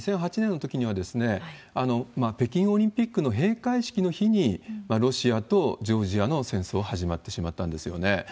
２００８年のときには、北京オリンピックの閉会式の日に、ロシアとジョージアの戦争が始まってしまったんですよね。